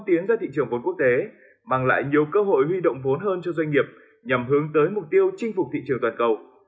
tiến ra thị trường vốn quốc tế mang lại nhiều cơ hội huy động vốn hơn cho doanh nghiệp nhằm hướng tới mục tiêu chinh phục thị trường toàn cầu